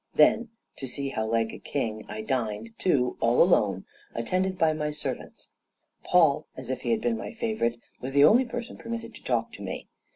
Then, to see how like a king I dined, too, all alone, attended by my servants! Poll, as if he had been my favorite, was the only person permitted to talk to me.